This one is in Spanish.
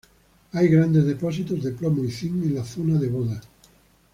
Hay grandes depósitos de plomo y zinc en la zona de Boda.